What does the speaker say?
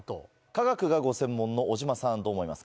科学がご専門の尾嶋さんどう思いますか？